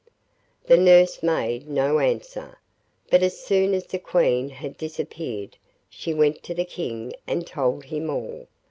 The nurse made no answer, but as soon as the Queen had disappeared she went to the King and told him all.